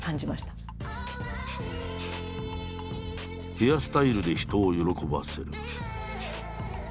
「ヘアスタイルで人を喜ばせる」。